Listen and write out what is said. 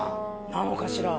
なのかしら？